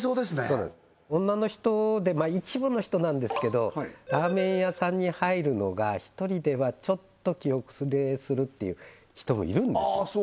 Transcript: そうです女の人で一部の人なんですけどラーメン屋さんに入るのが１人ではちょっと気後れするっていう人もいるんですよああ